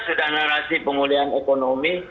sudah narasi pengulihan ekonomi